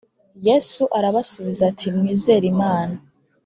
yesu arabasubiza ati mwizere imana